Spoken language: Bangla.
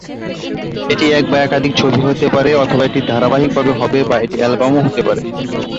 এটি এক বা একাধিক ছবি হতে পারে অথবা এটি ধারাবাহিক হবে বা এটি অ্যালবাম হতেও পারে।